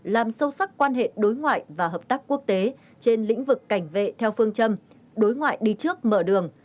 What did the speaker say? làm sâu sắc quan hệ đối ngoại và hợp tác quốc tế trên lĩnh vực cảnh vệ theo phương châm đối ngoại đi trước mở đường